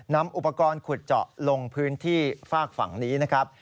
นำอุปกรณ์ขุดเจาะลงพื้นที่ฝากฝั่งนี้นะครับ